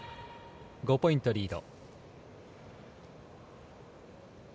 ５ポイントリード。